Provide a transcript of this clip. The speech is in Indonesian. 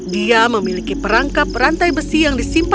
dia memiliki perangkap rantai besi yang disimpan di bawah